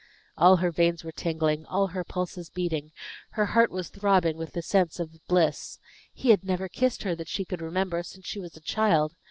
All her veins were tingling, all her pulses beating; her heart was throbbing with its sense of bliss. He had never kissed her, that she could remember, since she was a child.